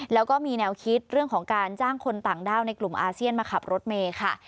แล้วก็มีแนวคิดเรื่องของการจ้างคนต่างด้าวในกลุ่มอาเซียนมาขับรถเมย์ค่ะ